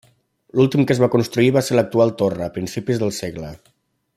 L'últim que es va construir va ser l'actual torre, a principis del segle.